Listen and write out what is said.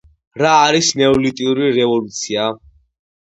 რა არის “ნეოლიტური რევოლუცია”?